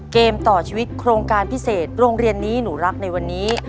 เกมต่อชีวิตโครงการพิเศษโรงเรียนนี้หนูรักในวันนี้